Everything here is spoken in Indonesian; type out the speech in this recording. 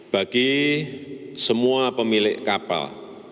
bagi semua pemilik kapal